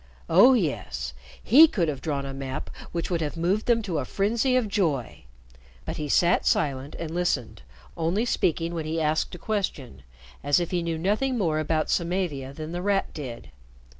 Oh, yes! he could have drawn a map which would have moved them to a frenzy of joy. But he sat silent and listened, only speaking when he asked a question, as if he knew nothing more about Samavia than The Rat did.